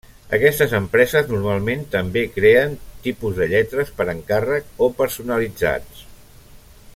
Aquestes empreses, normalment també creen tipus de lletres per encàrrec o personalitzats.